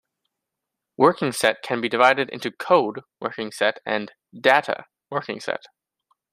Working set can be divided into "code" working set and "data" working set.